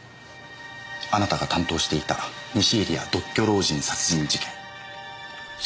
あなたが担当していた「西入谷独居老人殺人事件」。